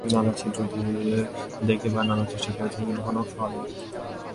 নানা ছিদ্র দিয়া দেখিবার নানা চেষ্টা করিয়াছিলাম কিন্তু কোনো ফল পাই নাই।